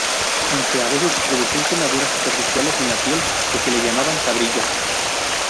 Aunque a veces se producían quemaduras superficiales en la piel que se llamaban "cabrillas".